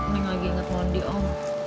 mending lagi inget mondi om